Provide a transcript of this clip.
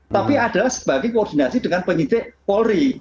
tapi adalah sebagai koordinasi dengan penyidik polri